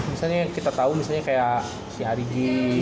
misalnya kita tau misalnya kayak si ari g